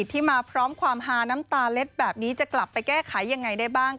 ที่มาพร้อมความฮาน้ำตาเล็ดแบบนี้จะกลับไปแก้ไขยังไงได้บ้าง